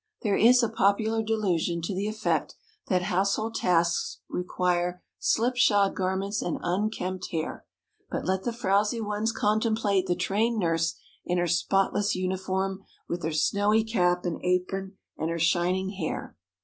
There is a popular delusion to the effect that household tasks require slipshod garments and unkempt hair, but let the frowsy ones contemplate the trained nurse in her spotless uniform, with her snowy cap and apron and her shining hair.